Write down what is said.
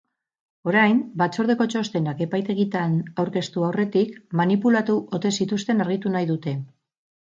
Orain, batzordeko txostenak epaitegietan aurkeztu aurretik manipulatu ote zituzten argitu nahi dute.